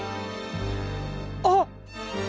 あっ！